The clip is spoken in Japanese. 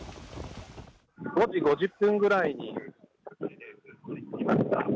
５時５０分ぐらいに空港に着きました。